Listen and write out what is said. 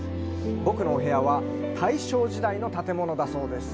僕のお部屋は大正時代の建物だそうです。